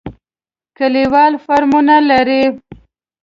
کلیوال فارمونه لري.